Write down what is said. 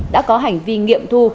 đã có hành vi nghiệm thu